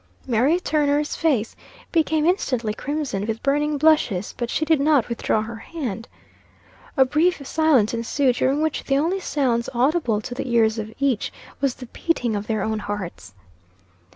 Mary Turner's face became instantly crimsoned with burning blushes, but she did not withdraw her hand. A brief silence ensued, during which the only sounds audible to the ears of each, was the beating of their own hearts.